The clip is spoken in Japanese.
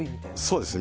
そうです。